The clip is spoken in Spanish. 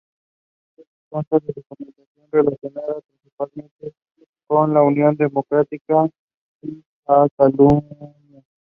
Consta de documentación relacionada principalmente con Unión Democrática de Catalunya.